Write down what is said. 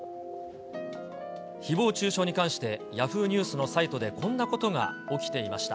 ひぼう中傷に関して、ヤフーニュースのサイトでこんなことが起きていました。